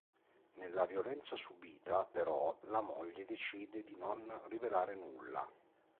Della violenza subita, però, la moglie decide di non rivelare nulla.